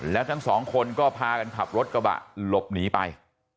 แล้วทั้งสองคนก็พากันขับรถกระบะหลบหนีไป